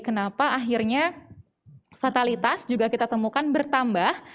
kenapa akhirnya fatalitas juga kita temukan bertambah